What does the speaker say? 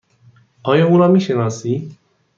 آیا او را می شناسی؟